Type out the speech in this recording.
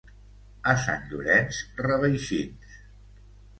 A Sant Llorenç, reveixins.